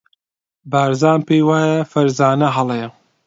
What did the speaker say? بارزان پێی وایە فەرزانە هەڵەیە.